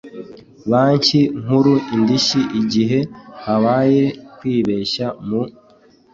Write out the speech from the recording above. Banki nkuru indishyi igihe habaye kwibeshya mu